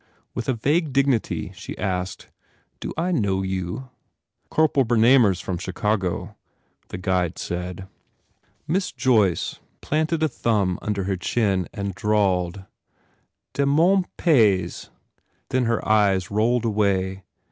With a vague dignity she asked, "Do I know you?" "Corporal Bernamer s from Chicago," the guide said. Miss Joyce planted a thumb under her chin and drawled, "De mon pays!" then her eyes rolled away.